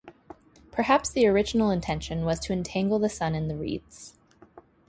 Perhaps the original intention was to entangle the sun in the reeds.